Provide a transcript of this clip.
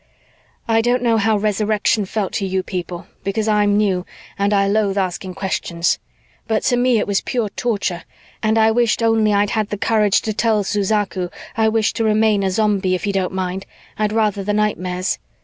"I don't know how Resurrection felt to you people, because I'm new and I loathe asking questions, but to me it was pure torture and I wished only I'd had the courage to tell Suzaku, 'I wish to remain a Zombie, if you don't mind. I'd rather the nightmares.'